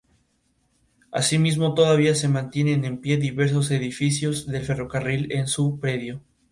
Los almorávides unificaron bajo su poder todo al-Ándalus y ubicaron su capital en Granada.